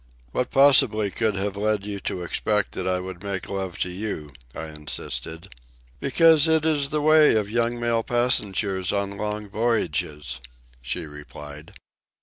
"What possibly could have led you to expect that I would make love to you?" I insisted. "Because it is the way of young male passengers on long voyages," she replied.